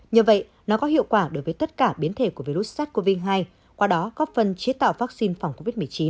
nhờ vậy nó có hiệu quả đối với tất cả biến thể của virus sars cov hai qua đó góp phần chế tạo vaccine phòng covid một mươi chín